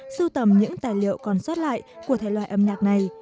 sưu tầm những tài liệu còn sót lại của thể loại âm nhạc này